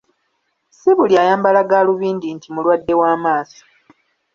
Si buli ayambala ggaalubindi nti mulwadde wa maaso.